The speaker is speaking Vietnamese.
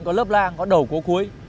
có lớp lang có đầu cố cuối